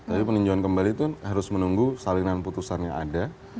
tapi peninjauan kembali itu harus menunggu salinan putusannya ada